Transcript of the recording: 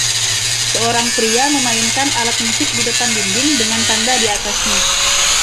Seorang pria memainkan alat musik di depan dinding dengan tanda di atasnya.